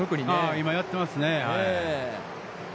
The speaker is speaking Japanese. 今やってますね。